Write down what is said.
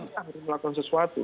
kita harus melakukan sesuatu